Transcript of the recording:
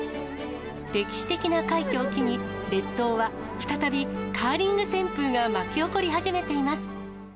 歴史的な快挙を機に、列島は再びカーリング旋風が巻き起こり始めています。